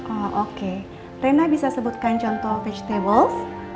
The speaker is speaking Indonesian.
oh oke rena bisa sebutkan contoh vegetable